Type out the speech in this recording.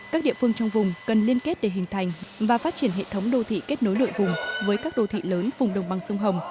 các địa phương trong vùng cần liên kết để hình thành và phát triển hệ thống đô thị kết nối nội vùng với các đô thị lớn vùng đồng bằng sông hồng